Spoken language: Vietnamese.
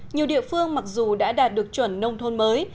nhiều địa phương mặc dù đã đạt được chuẩn nông thôn mới